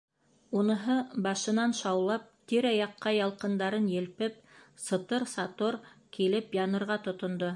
Уныһы башынан шаулап, тирә-яҡҡа ялҡындарын елпеп, сытыр-сатор килеп янырға тотондо.